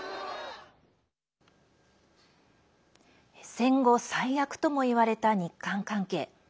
戦後最悪ともいわれた日韓関係。